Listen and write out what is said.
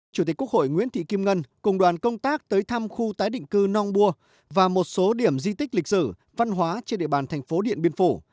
chủ tịch quốc hội nguyễn thị kim ngân cùng đoàn công tác tới thăm khu tái định cư nong bua và một số điểm di tích lịch sử văn hóa trên địa bàn thành phố điện biên phủ